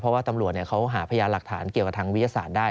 เพราะว่าตำรวจเขาหาพยานหลักฐานเกี่ยวกับทางวิทยาศาสตร์ได้